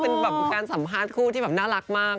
เป็นแบบการสัมภาษณ์คู่ที่แบบน่ารักมาก